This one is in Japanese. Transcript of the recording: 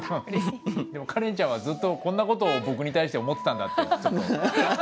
でもカレンちゃんはずっとこんな事を僕に対して思ってたんだってちょっと。